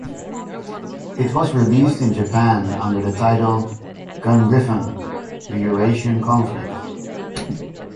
It was released in Japan under the title "Gungriffon: The Eurasian Conflict".